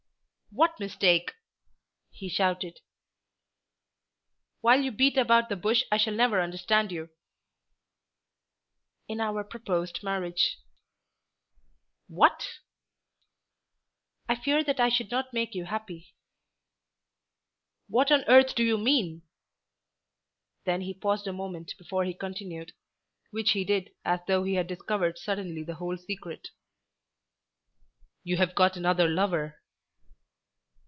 "What mistake?" he shouted. "While you beat about the bush I shall never understand you." "In our proposed marriage." "What?" "I fear that I should not make you happy." "What on earth do you mean?" Then he paused a moment before he continued, which he did as though he had discovered suddenly the whole secret. "You have got another lover."